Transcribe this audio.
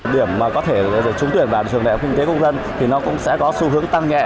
điểm mà có thể trúng tuyển vào trường đại học kinh tế quốc dân thì nó cũng sẽ có xu hướng tăng nhẹ